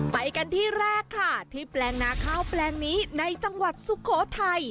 ไปกันที่แรกค่ะที่แปลงนาข้าวแปลงนี้ในจังหวัดสุโขทัย